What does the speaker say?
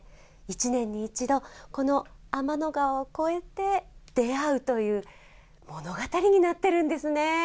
１年に一度、この天の川を超えて出会うという物語になってるんですね。